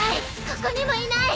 ここにもいない！